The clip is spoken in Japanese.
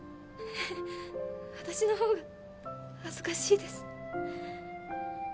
私のほうが恥ずかしいです。